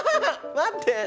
待って！